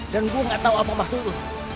dan gue gak tau apa maksud lo